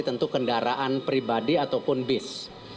tentu kendaraan pribadi ataupun bis